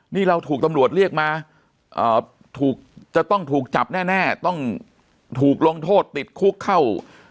นี่เราถูกตำรวจเรียกมาจะต้องถูกจับแน่ต้องถูกลงโทษติดคุกเข้า